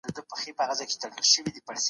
نارينه په هرشي کي ذکر کيږي او موږ نه ذکر کيږو.